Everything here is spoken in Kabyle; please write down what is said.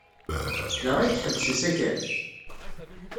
Da ay iḥebbes usakal?